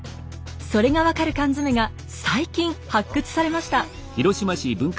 それが分かる缶詰が最近発掘されました。